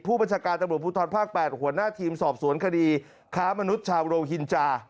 ผู้บัญชาการตำรวจภูทรภาค๘หัวหน้าทีมสอบสวนคดีค้ามนุษย์ชาวโรฮินจา